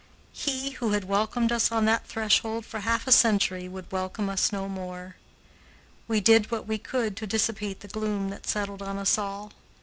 He who had welcomed us on that threshold for half a century would welcome us no more. We did what we could to dissipate the gloom that settled on us all.